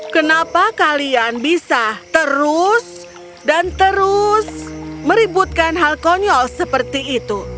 kenapa kalian bisa terus dan terus meributkan hal konyol seperti itu